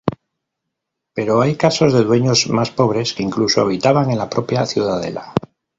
Pero hay casos de dueños más pobres que incluso habitaban en la propia ciudadela.